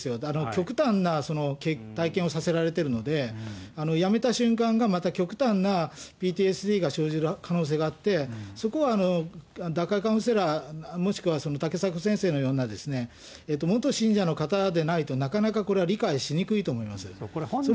極端な体験をさせられているので、辞めた瞬間が、また極端なＰＴＳＤが生じる可能性があって、そこは脱会カウンセラー、もしくは竹迫先生のような、元信者の方でないと、なかなかこれは理解しにくいと思います。